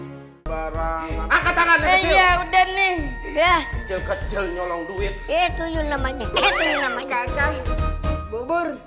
hai barang angkat tangan ya udah nih kecil kecil nyolong duit itu namanya bubur